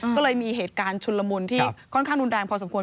ก็เลยมีเหตุการณ์ชุนละมุนที่ค่อนข้างรุนแรงพอสมคว